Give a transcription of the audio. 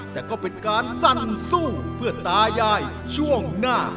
แต่ก็เป็นการสั่นสู้เพื่อตายายช่วงหน้า